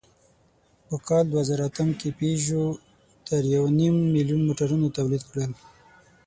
په کال دوهزرهاتم کې پيژو تر یونیم میلیونه موټرونه تولید کړل.